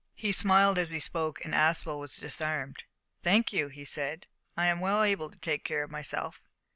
He smiled as he spoke, and Aspel was disarmed. "Thank you," he said; "I am well able to take care of myself."